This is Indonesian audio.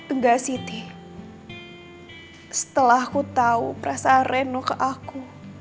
enggak siti setelah aku tahu perasaan reno ke aku